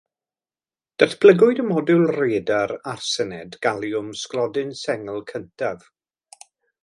Datblygwyd y modiwl radar arsenid galiwm sglodyn sengl cyntaf.